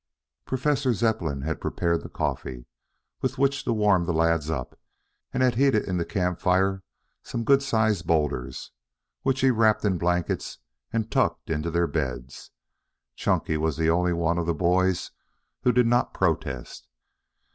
Professor Zepplin had prepared the coffee, with which to warm the lads up, and had heated in the camp fire some good sized boulders, which he wrapped in blankets and tucked in their beds. Chunky was the only one of the boys who did not protest.